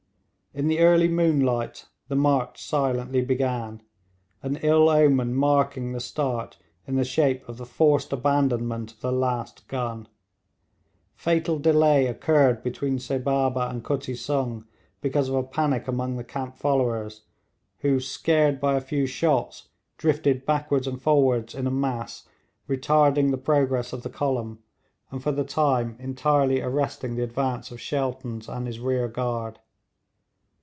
In the early moonlight the march silently began, an ill omen marking the start in the shape of the forced abandonment of the last gun. Fatal delay occurred between Seh Baba and Kutti Sung because of a panic among the camp followers, who, scared by a few shots, drifted backwards and forwards in a mass, retarding the progress of the column and for the time entirely arresting the advance of Shelton's and his rear guard.